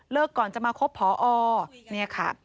เลิกก่อนจะมาคบพอนี่ค่ะ